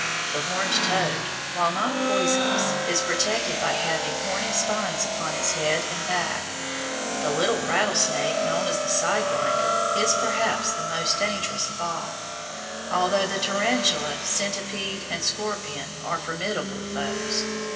The horned toad, while not poisonous, is protected by having horny spines upon its head and back. The little rattlesnake known as the "side winder" is perhaps the most dangerous of all, although the tarantula, centipede, and scorpion are formidable foes.